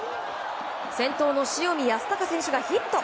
先頭の塩見泰隆選手がヒット。